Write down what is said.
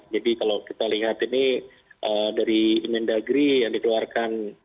jadi kalau kita lihat ini dari inin dagri yang didoarkan